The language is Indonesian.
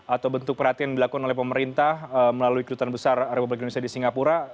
atau bentuk perhatian dilakukan oleh pemerintah melalui kedutaan besar republik indonesia di singapura